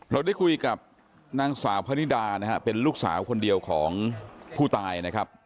เราได้คุยกับนางสาวพนิดานะฮะเป็นลูกสาวคนเดียวของผู้ตายนะครับ